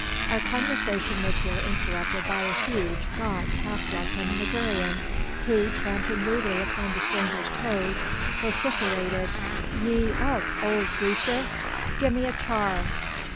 Our conversation was here interrupted by a huge, gaunt, half drunken Missourian, who, tramping rudely upon the stranger's toes, vociferated "Ye up, old greaser! gi' mi a char."